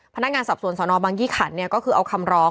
พนักงานสับสนสอนอบางยี่ขันเนี่ยก็คือเอาคำร้อง